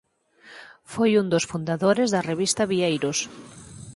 Foi un dos fundadores da revista "Vieiros".